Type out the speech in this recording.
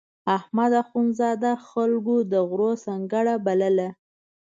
احمد اخوندزاده خلکو د غرو سنګړه بلله.